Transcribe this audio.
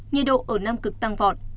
nhiệt độ ở nam cực tăng vọt